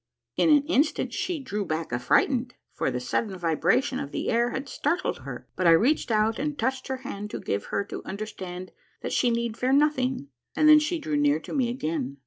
" In an instant she di'ew back affrighted, for the sudden vibra tion of the air had startled her ; but I reached out and touched her hand to give her to understand that she need fear nothing, and then she drew near to me again.